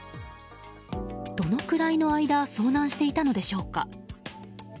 どのくらいの間遭難していたのでしょうか。